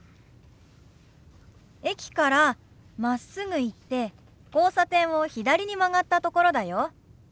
駅からまっすぐ行って交差点を左に曲がったところだよ。